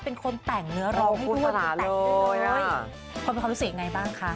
พอเป็นความรู้สึกยังไงบ้างคะ